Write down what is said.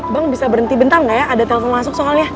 bang bisa berhenti bentang nggak ya ada telepon masuk soalnya